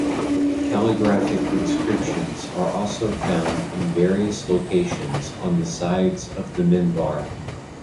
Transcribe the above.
Calligraphic inscriptions are also found in various locations on the sides of the minbar.